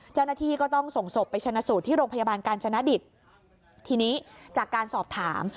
เจ้าหน้าที่ก็ต้องส่งศพไปชนะสูตรที่โรงพยาบาลกาญจนดิตทีนี้จากการสอบถาม